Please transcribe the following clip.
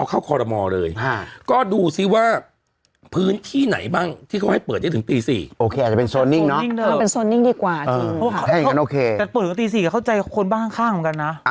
เป็นโซนนิ่งเนอะเป็นโซนนิ่งดีกว่าจริงแต่เปิดหัวตีสี่เข้าใจคนบ้างข้างข้างเหมือนกันนะ